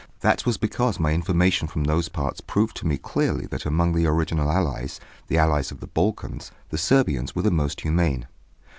That was because my information from those parts proved to me clearly that among the original Allies, the Allies of the Balkans, the Serbians were the most humane.